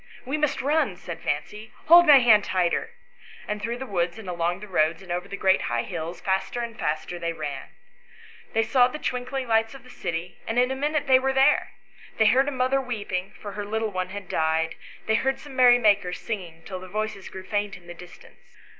"We must run," said Fancy. " Hold my hand tighter ;" and through the woods and along the roads and over the great high hills, faster and faster they ran ; they saw the twinkling lights of the city, and in a minute they were there ; they heard a mother weeping, for her little one had 120 ANYHOW STOKIES. [STORY died ; they heard some merrymakers singing till the voices grew faint in the distance.